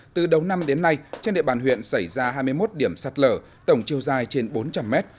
từ đầu năm đến nay trên địa bàn huyện xảy ra hai mươi một điểm sạt lở tổng chiều dài trên bốn trăm linh mét